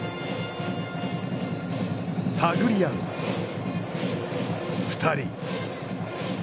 探り合う、２人。